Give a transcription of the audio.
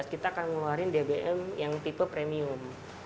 kita akan mengeluarkan dbm yang tipe premium